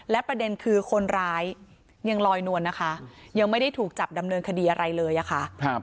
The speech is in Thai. และประเด็นคือคนร้ายยังลอยนวลนะคะยังไม่ได้ถูกจับดำเนินคดีอะไรเลยอะค่ะ